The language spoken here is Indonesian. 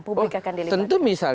publik akan dilibatkan